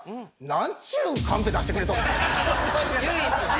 唯一ね。